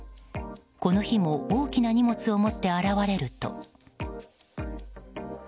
この日も大きな荷物を持って現れると。